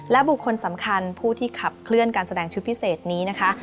และบุคคลสำคัญผู้ที่ขับเคลื่อนการแสดงชุดพิเศษนี้นะคะ